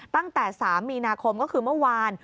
ตั้งแต่๓มีนาคมก็คือเมื่อวาน